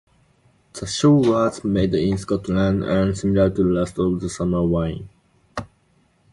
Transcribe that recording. The show was made in Scotland and similar to "Last of the Summer Wine".